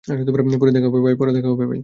পরে দেখা হবে, ভাই।